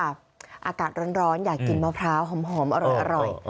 อากาศร้อนอยากกินมะพร้าวหอมอร่อย